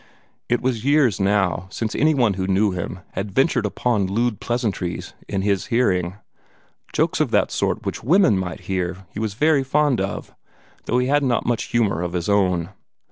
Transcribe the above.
It was years now since any one who knew him had ventured upon lewd pleasantries in his hearing. Jokes of the sort which women might hear he was very fond of though he had not much humor of his own.